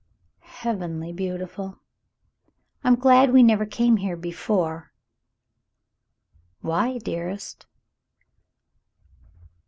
"Heavenly beautiful !" I'm glad we never came here before." Why, dearest?"